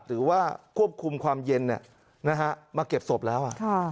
ถือว่าควบคุมความเย็นมาเก็บศพแล้ว